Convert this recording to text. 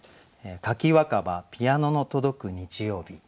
「柿若葉ピアノのとどく日曜日」。